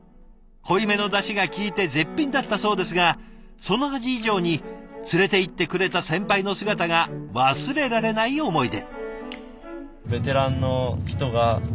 濃いめのだしが効いて絶品だったそうですがその味以上に連れて行ってくれた先輩の姿が忘れられない思い出。